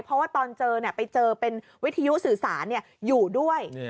เพราะว่าตอนเจอไปเจอเป็นวิทยุสื่อสารอยู่ด้วย